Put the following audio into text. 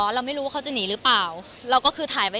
เราไม่รู้ว่าเขาจะหนีหรือเปล่า